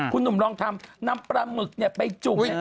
คุณหนุ่มลองทำนำปลาหมึกไปจุ่ม